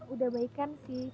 udah baikan sih